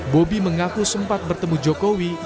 bobi mengaku sempat bertemu jokowi